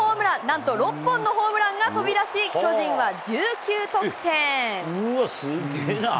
なんと６本のホームランが飛び出し巨人は１９得点。